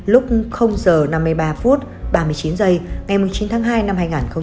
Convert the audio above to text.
lúc h năm mươi ba ba mươi chín ngày một mươi chín tháng hai năm hai nghìn một mươi hai